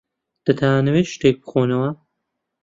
دەتانەوێت شتێک بخۆنەوە؟